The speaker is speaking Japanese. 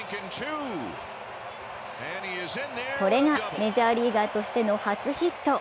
これがメジャーリーガーとしての初ヒット。